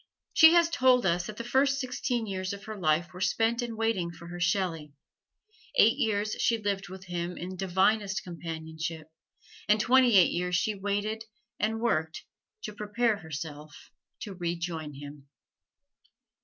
She has told us that the first sixteen years of her life were spent in waiting for her Shelley, eight years she lived with him in divinest companionship, and twenty eight years she waited and worked to prepare herself to rejoin him.